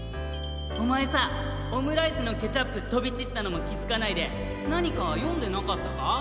おまえさオムライスのケチャップとびちったのもきづかないでなにかよんでなかったか？